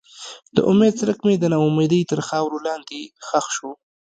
د امید څرک مې د ناامیدۍ تر خاورو لاندې ښخ شو.